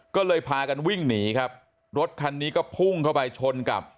ก็เลยพากันวิ่งหนีครับรถคันนี้ก็พุ่งเข้าไปชนกับ